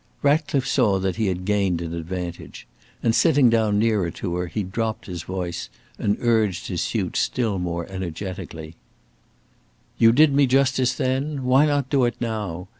Ratcliffe saw that he had gained an advantage, and, sitting down nearer to her, he dropped his voice and urged his suit still more energetically: "You did me justice then; why not do it now?